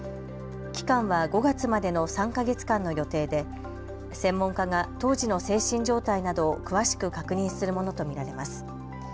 期間は５月までの３か月間の予定で専門家が当時の精神状態などを詳しく確認するものと見られます。